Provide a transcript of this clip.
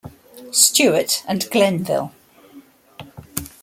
Stewart, and Glennville.